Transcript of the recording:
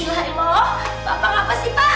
ya allah bapak ngapas sih pak